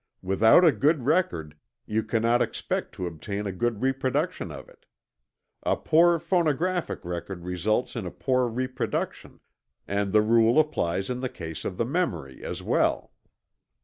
Without a good record, you cannot expect to obtain a good reproduction of it. A poor phonographic record results in a poor reproduction, and the rule applies in the case of the memory as well.